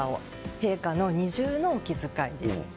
陛下の二重のお気遣いです。